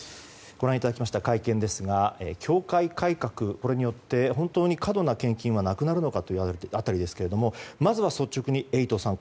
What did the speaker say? ご覧いただきました会見ですが教会改革によって本当に過度な献金がなくなるのかという辺りですがまずは率直に、エイトさん